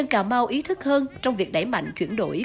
có ý thức hơn trong việc đẩy mạnh chuyển đổi